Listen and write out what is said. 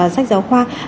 sách giáo khoa